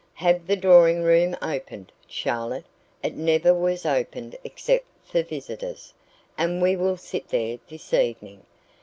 Have the drawing room opened, Charlotte" it never was opened except for visitors "and we will sit there this evening.